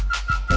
kau tarik mbak